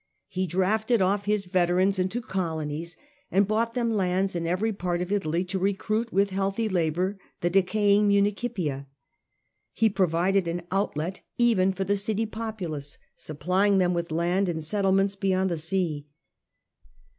He drafted ofi' his veterans into colonies and bought them lands in every part of Italy to recruit with healthy labour the decaying muni cipia. He provided an outlet even for the city populace, supplying them with land in settlements beyond the sea.